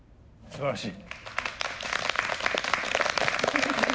すばらしい。